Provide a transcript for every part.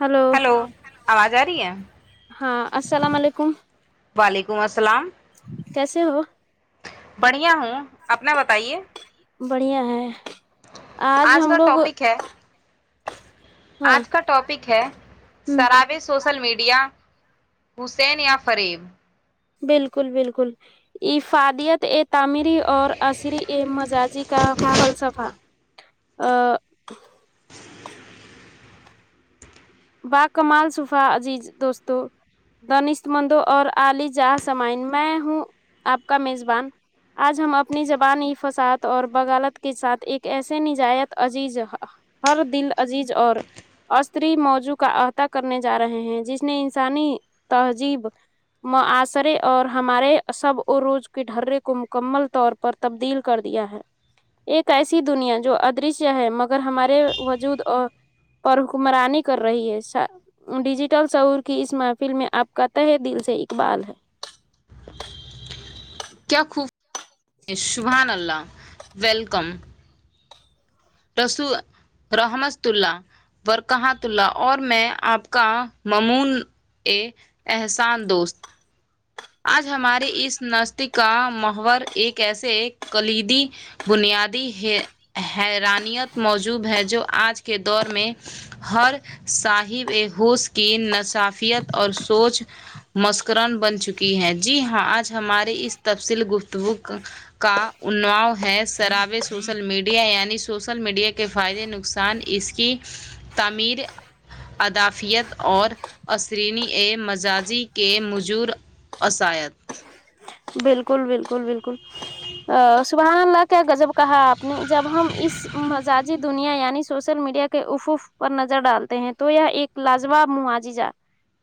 hello hello اواز ا رہی ہے ہاں السلام علیکم وعلیکم السلام کیسے ہو بڑھیا ہوں اپنا بتائیے بڑھیا ہے آج ہم کا لوگ ٹاپک ہے ہاں آج کا ٹاپک ہے سراوے سوس سوشل میڈیا حسین یا فریب بالکل بالکل ا فادیت ات تعمیری اور عصری مزاجی کا فلسفہ با کمال صفا عزیز دوستوں دنش مندو اور علی جہاں سمائن میں ہوں اپ کا میزبان آج ہم اپنی زبانی فساد اور بغالت کے ساتھ ایک ایسے نجایت عزیز ہر دل عزیز اور استری موج جو کا عہدہ کرنے جا رہے ہیں جس نے انسانی تہذیب معاصر اور ہمارے سب عروج کے ڈرے کو مکمل طور پر تبدیل کر دیا ہے ایک ایسی دنیا جو ادرشیہ ہے مگر ہمارے وجود اور اور حکمرانی کر رہی ہے ڈیجیٹل سور کی اس محفل میں اپ کا تہہ دل سے اقبال ہے کیا خوب شبحان اللہ ویلکم رسو رحمت اللہ ور کہاں تولا اور میں اپ کا ممون یہ احسان دوست آج ہمارے اس نستک کا محور ایک ایسے کلیدی بنیادی حیرانیت موجوود ہے جو آج کے دور میں ہر صاحب ہوس کی نصافیت اور سوچ مسکران بن چکی ہے جی ہاں آج ہماری اس تفصیل گفتگو کا نو ہے سراوے سوشل میڈیا یعنی سوشل میڈیا کے فائدے نقصان اس کی تعمیر ادافیت اور اثرینی اے مزاجی کے مجر اس ایت بالکل بالکل بالکل ا سبحان اللہ کیا غضب کہا آپ نے جب ہم اس مزاجی دنیا یعنی سوشل میڈیا کے افوف پر نظر ڈالتے ہیں تو یہ ایک لجواب ما جی جا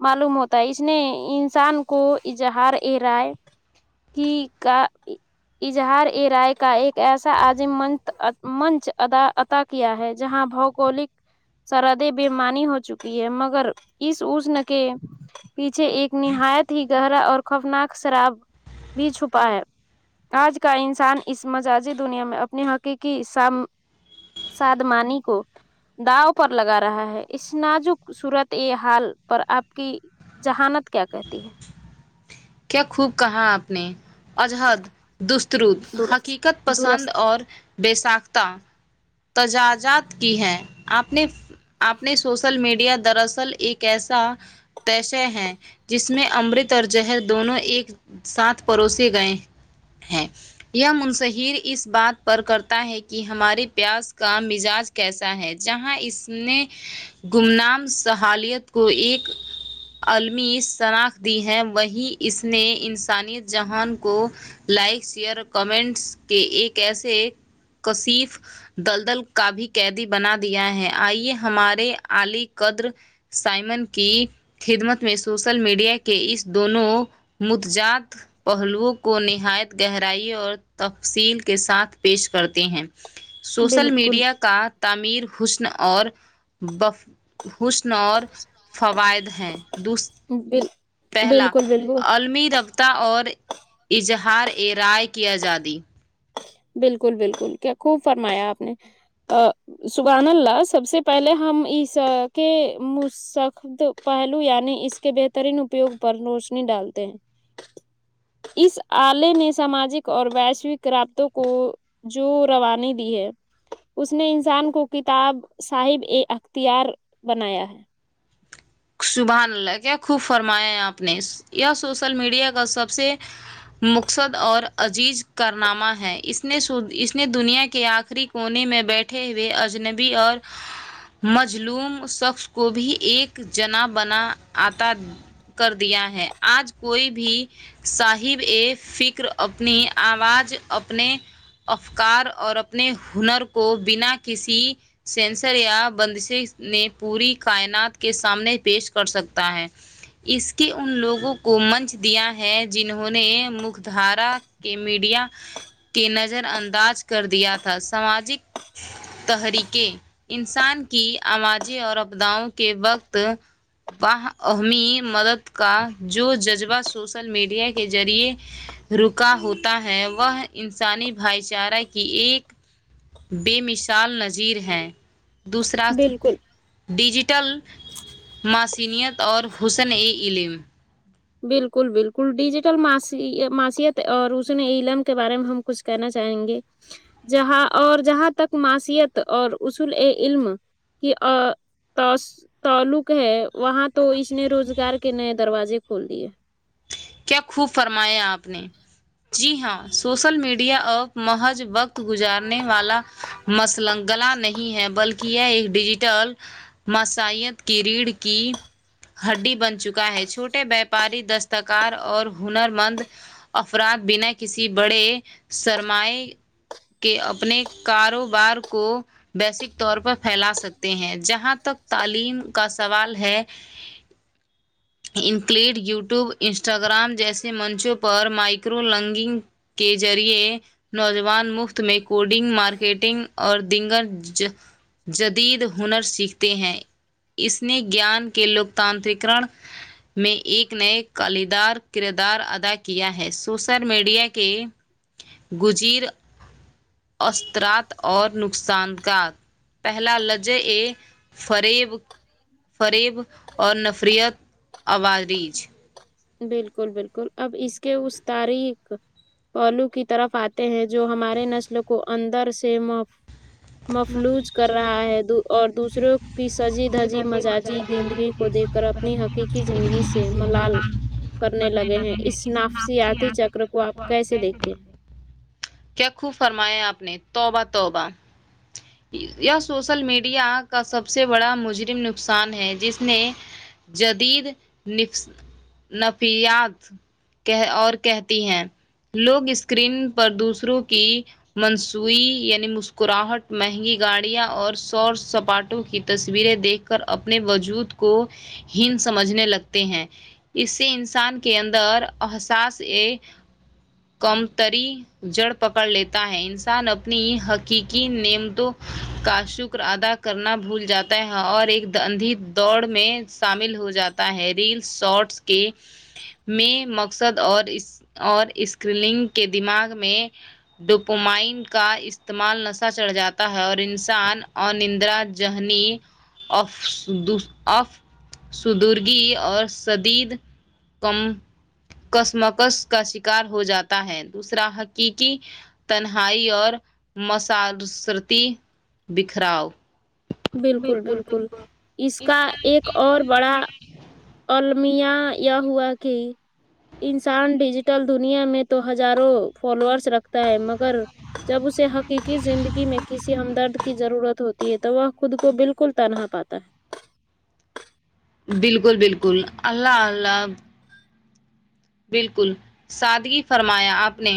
معلوم ہوتا ہے اس نے انسان کو اظہار ا رائے کی گا اظہار اے رائے کا ایک ایسا عظیم منت منچ دا کیا ہے جہاں بھابولک سرحدے بیماری ہو چکی ہے مگر اس کے پیچھے ایک نہایت ہی گہرا اور خوفناک شراب بھی چھپا ہے اج کا انسان اس مجازی دنیا میں اپنے حقیقی سام سدمانی کو داؤ پر لگا رہا ہے اس نازک صورت یہ حال پر اپ کی جہانت کیا کہتی ہے کیا خوب کہا آپ نے اجہد دستروت درست حقیقت پسند درست اور بےساختہ تجاجات کی ہے اپ نے آپ نے سوشل میڈیا دراصل ایک ایسا تسے ہے جس میں امرت اور جہد دونوں ایک ساتھ پروسے گئے ہے یہ منصہر اس بات پر کرتا ہے کہ ہمارے پیاس کا مزاج کیسا ہے جہاں اس نے گمنام سہالیت کو ایک علمی شناخت دی ہے وہی اس نے انسانیت جہان کو لائک شیئر اور کمنٹس کے ایک ایسے کشف دلدل کو کا بھی قیدی بنا دیا ہے آئیے ہمارے علی قدر سائمن کی خدمت میں سوشل میڈیا کے اس دونوں متجات پہلوؤں کو نہایت گہرائی اور تفصیل کے ساتھ پیش کرتے ہیں سوشل بالکل میڈیا کا تعمیر حسن اور بف حسن اور فوائد ہیں دو بل پہلا بالکل بالکل علمی رابطہ اور اظہار ا رائے کیا جادی بالکل بالکل کیا خوب فرمایا آپ نے سبحان اللہ سب سے پہلے ہم اس س کے مسخ ش پہلو یعنی اس کے بہترین اپیوگ پر روشنی ڈالتے ہیں اس آلے نے ساماجک اور ویشوک راب تو کو جو روانے دی ہے اس نے انسان کو کتاب صاحب اے اختیار بنایا ہے سبحان اللہ کیا خوب فرمائیں ہیں اپنے یہیا سوشل میڈیا کا سب سے مقصد اور عزیز کارنامہ ہے اس نے دنیا کے آخری کونے میں بیٹھے ہوئے اجنبی اور مجلوم شخص کو بھی ایک جنا بنا آتا کر دیا ہے آج کوئی بھی صاحب یہ فکر اپنی آواز اپنے افکار اور اپنے ہنر کو بنا کسی سینسر یا بندشیں نے پوری کائنات کے ساتھ سامنے پیش کر سکتا ہے اس کے ان لوگوں کو منچ دیا ہے جنہوں نے مکدارا کے میڈیا کے نظر انداز کر دیا تھا ساماجک تحریکیں انسان کی آوازیں اور اپداؤں کے وقت باہاہہمی مدد کا جو جذبہ سوشل میڈیا کے ذریعے رکا ہوتا ہے وہ انسانی بھائی چارہ کی ایک بے مثال نظیر ہیں دوسرا بالکل ڈیجیٹل ماسنییت اور حسن علم بالکل بالکل ڈیجیٹل معاشت اور اس نے علم کے بارے میں ہم کچھ کہنا چاہیں گے جہاں اور جہاں تک معاشیت اور اصول علم کہ ا تس تعلق ہے وہاں تو اس اس نے روزگار کے نئے دروازے کھول دیے کیا خوب فرمایا آپ نے جی ہاں سوشل میڈیا اپ محض وقت گزارنے والا مثلا گلا نہیں ہے بلکہ یہ ایک ڈیجیٹل مسائیت کی ریڑھ کی ہڈی بن چکا ہے چھوٹے وپاری دستک کار اور ہنر مند افراد بنا کسی بڑے سرمائے کہ اپنے کاروبار کو بیسک طور پر پھیلا سکتے ہیں جہاں تک تعلیم کا سوال ہے انکلیڈ یو ٹیوب انسٹاگرام جیسے منچوں پر مائکرو لنگنگ کے ذریعے نوجوان مفت میں کوڈنگ مارکیٹنگ اور ڈنگر جو جدید ہنر سیکھتے ہیں اس نے گیان کے لوکتاترکرن میں ایک نئے خالدار کردار ادا کیا ہے سوشل میڈیا کے گزیر اثرات اور نقصان کا پہلا لجے فریب فریب اور نفریت [unintelligible] بالکل بالکل اب اس کے اس تاریخ پہلو کی طرف آتے ہیں جو ہمارے نسل کو اندر سے مف فلوج کر رہا ہے اور دوسروں کی سجی دھجی مزاجی زندگی کو دیکھ کر اپنی حقیقی زندگی سے ملال کرنے لگے ہیں اس نافسیاتی چکر کو آپ کیسے دیکھتے ہیں کیا خوب فرمایا آپ نے توبہ توبہ یہ سوسل میڈیا کا سب سے بڑا مجرم نقصان ہے جس نے جدید نفست نفیات کہہ اور کہتی ہیں لوگ اسکرین پر دوسروں کی مضنوعی یعنی مسکراہٹ مہنگی گاڑیاں اور سور سپاٹوں کی تصویریں دیکھ کر اپنے وجود کو ہین سمجھنے لگتے ہیں اس سے انسان کے اندر احساس کمتری جڑ پکڑ لیتا ہے انسان اپنی حقیقی نعم توں کا شکر ادا کرنا بھول جاتے ہیں اور ایک د اندھی دوڑ میں شامل ہو جاتا ہے ریلس شارٹس کے میں مقصد اور اس اور اسکریلنگ کے دماغ میں ڈپومائن کا استعمال نشہ چڑھ جاتا ہے اور انسان ان اندرا جہنی اف دوس آف سردگی اور شدید غم کشمکش کا شکار ہو جاتا ہے دوسرا حقیقی تنہائی اور [unintelligible] بکھراؤ بالکل بالکل اس کا ایک اور بڑا المیہ یہ ہوا کی انسان ڈیجیٹل دنیا میں تو ہزاروں فالوورس رکھتا ہے مگر جب اسے حقیقی زندگی میں کسی ہمدرد کی ضرورت ہوتی ہے تو وہ خود کو بالکل تنہا پاتا ہے بالکل بالکل اللہ اللہ بالکل سادگی فرمایا آپ نے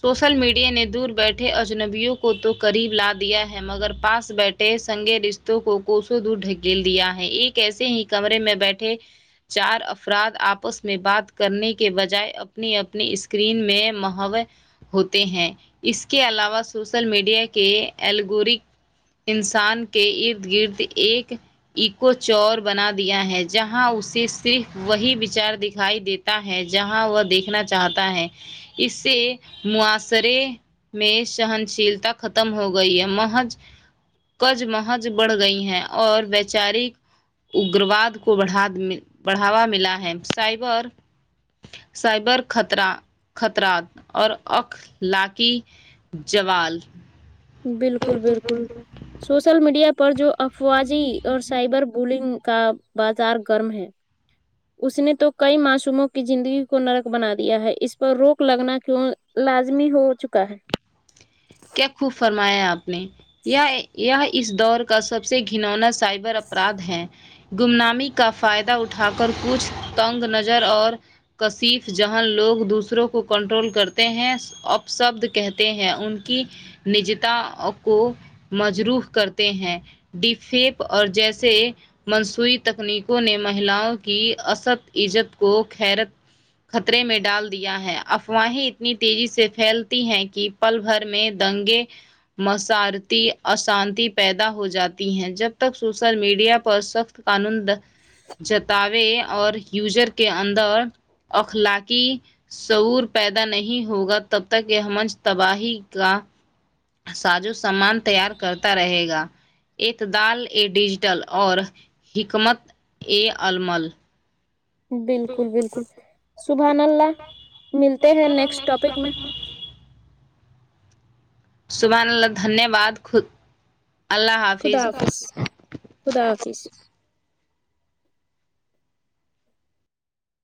سوشل میڈیا نے دور بیٹھے اجنبیوں کو تو قریب لا دیا ہے مگر پاس بیٹھے ٹے سنگے رشتوں کوسوں دور ڈھکیل دیا ہے ایک ایسے ہی کمرے میں بیٹھے چار افراد آپس میں بات کرنے کے بجائے اپنی اپنی اسکرین میں مہوے ہوتے ہیں اس کے علاوہ سوشل میڈیا کے ایلگورک انسان کے ارد گرد ایک اکویچر بنا دیا ہے جہاں اسے صرف وہی وچار دکھائی دیتا ہے جہاں وہ دیکھنا چاہتا ہے اس سے معاشرے میں سہنشیلتا ختم ہو گئی ہے محض کشمکش بڑھ گئی ہیں اور ویچارک اگرواد کو بڑھا بڑھاوا ملا ہے سائبر سائبر خطرہ خطرات اور اخلاقی زوال بالکل بالکل سوشل میڈیا پر جو افواجی اور سائبر بلنگ کا بازار گرم ہے اس نے تو کئی معصوموں کی زندگی کو نرک بنا دیا ہے اس پر روک لگنا کیوں لازمی ہو چکا ہے کیا خوب فرمایا آپ نے یے اس دور کا سب سے گنونا سائب اپرادھ ہیں گمنامی کا فائدہ اٹھا کر کچھ تنگ نظر اور کصف جہاں لوگ دوسروں کو کنٹرول کرتے ہیں اپ ثبد کہتے ہیں ان کی نجتا کو مجروح کرتے ہیں ڈیفیپ اور جیسے منصوئیی تکنیکوں نے مہیلاؤں کی است عزت کو خیرت خطرے میں ڈال دیا ہے افواہیں اتنی تیزی سے پھیلتی ہیں کی پل بھر میں دنگے مسارتی اشانتی پیدا ہو جاتی ہیں جب تک سوشل میڈیا پر سخت کانند جتاوے اور یوزر کے اندر اخلاقی سعور پیدا نہیں ہوگا تب تک یے منچ تباہی کا ساجو سامان تیار کرتا رہے گا اعتدال اے ڈیجیٹل اور حکمت اے علمل بالکل بالکل سبحان اللہ ملتے ہیں نیکسٹ ٹاپک میں صبح اللہ دھنیہ واد خود اللہ حافظ خدا حافظ خدا حافظ